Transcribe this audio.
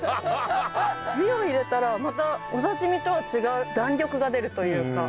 火を入れたらまたお刺身とは違う弾力が出るというか。